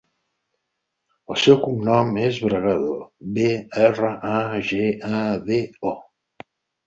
El seu cognom és Bragado: be, erra, a, ge, a, de, o.